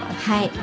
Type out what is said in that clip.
はい。